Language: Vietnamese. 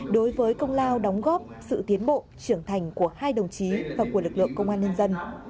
đối với công lao đóng góp sự tiến bộ trưởng thành của hai đồng chí và của lực lượng công an nhân dân